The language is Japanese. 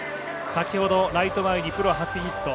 先ほどライト前にプロ初ヒット。